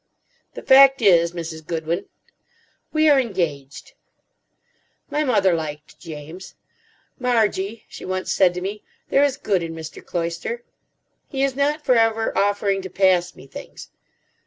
"The fact is, Mrs. Goodwin——" "We are engaged." My mother liked James. "Margie," she once said to me, "there is good in Mr. Cloyster. He is not for ever offering to pass me things."